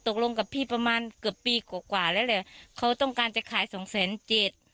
ตกลงกับพี่ประมาณเกือบปีกว่ากว่าแล้วแหละเขาต้องการจะขายสองแสนเจ็ด